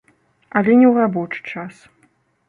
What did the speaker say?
Але не ў рабочы час.